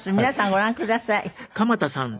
皆さんご覧ください。